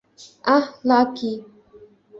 আহ, lucky.